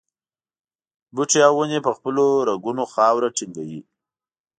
بوټي او ونې په خپلو رګونو خاوره ټینګوي.